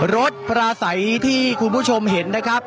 รถปลาใสที่คุณผู้ชมเห็นนะครับ